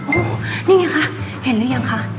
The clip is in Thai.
โอ้โหนี่ไงคะเห็นหรือยังคะ